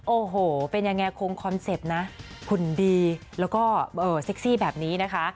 โอ้โหเป็นยังไงคงคอนเซ็ปต์นะหุ่นดีแล้วก็เซ็กซี่แบบนี้นะคะ